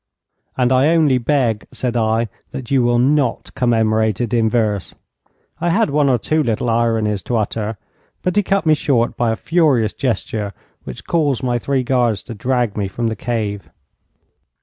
'And I only beg,' said I, 'that you will not commemorate it in verse.' I had one or two little ironies to utter, but he cut me short by a furious gesture which caused my three guards to drag me from the cave.